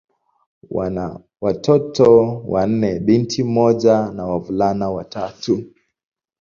Wana watoto wanne: binti mmoja na wavulana watatu.